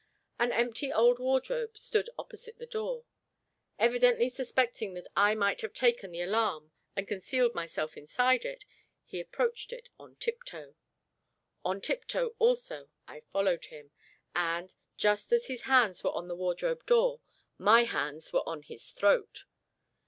An empty old wardrobe stood opposite the door. Evidently suspecting that I might have taken the alarm and concealed myself inside it, he approached it on tiptoe. On tiptoe also I followed him; and, just as his hands were on the wardrobe door, my hands were on his throat.